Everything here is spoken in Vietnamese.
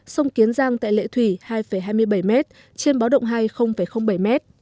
sông kiến giang tại lệ thủy hai hai mươi bảy m trên báo động hai bảy m